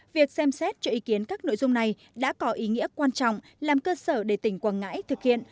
việc xem xét cho ý kiến các nội dung này đã có ý nghĩa quan trọng làm cơ sở để tỉnh quảng ngãi thực hiện